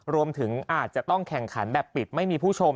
รวมถึงอาจจะต้องแข่งขันแบบปิดไม่มีผู้ชม